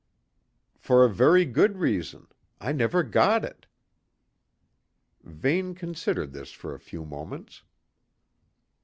"For a very good reason; I never got it." Vane considered this for a few moments.